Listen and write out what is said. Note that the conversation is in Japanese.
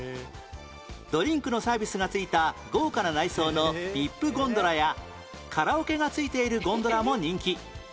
ドリンクのサービスが付いた豪華な内装の ＶＩＰ ゴンドラやカラオケが付いているゴンドラも人気